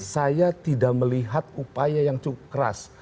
saya tidak melihat upaya yang cukup keras